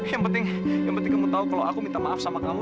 yang penting yang penting kamu tahu kalau aku minta maaf sama kamu